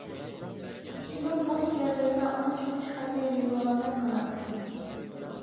ئىچىنىڭ بوش يەرلىرىگە ئانچە-مۇنچە خەتلەر يېزىلغاندەك قىلاتتى.